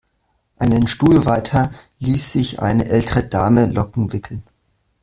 Einen Stuhl weiter ließ sich eine ältere Dame Locken wickeln.